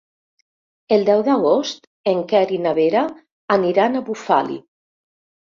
El deu d'agost en Quer i na Vera aniran a Bufali.